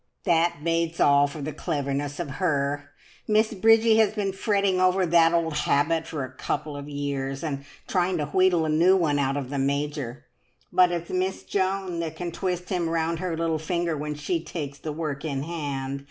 "That bates all for the cleverness of her! Miss Bridgie has been fretting over that old habit for a couple of years, and trying to wheedle a new one out of the Major, but it's Miss Joan that can twist him round her little finger when she takes the work in hand!